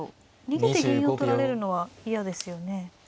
逃げて銀を取られるのは嫌ですよね。